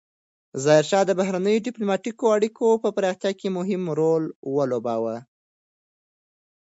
ظاهرشاه د بهرنیو ډیپلوماتیکو اړیکو په پراختیا کې مهم رول ولوباوه.